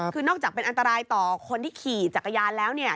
คือนอกจากเป็นอันตรายต่อคนที่ขี่จักรยานแล้ว